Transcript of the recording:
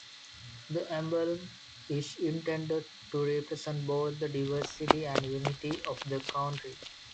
The emblem is intended to represent both the diversity and unity of the country.